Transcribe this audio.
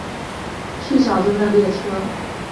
去小樽的列车